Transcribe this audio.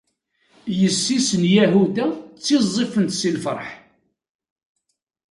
Yessi-s n Yahuda ttiẓẓifent si lferḥ.